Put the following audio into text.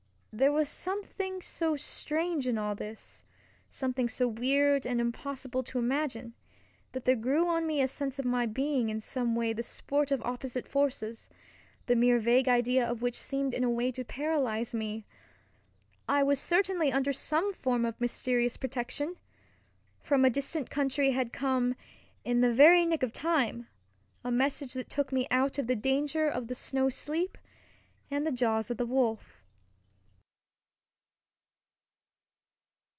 There was something so strange in all this, something so weird and impossible to imagine, that there grew on me a sense of my being in some way the sport of opposite forces—the mere vague idea of which seemed in a way to paralyze me. I was certainly under some form of mysterious protection. From a distant country had come, in the very nick of time, a message that took me out of the danger of the snow sleep and the jaws of the wolf.